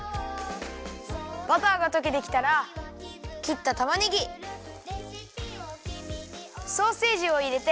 バターがとけてきたらきったたまねぎソーセージをいれて。